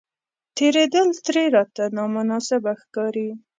تېرېدل ترې راته نامناسبه ښکاري.